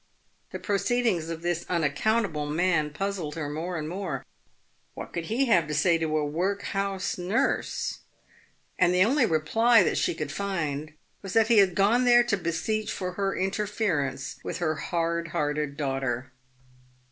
The proceedings of this unaccountable man puzzled her more and more. What could he have to say to a work house nurse ? And the only reply that she could find was that he had gone there to beseech for her interference with her hard hearted daughter.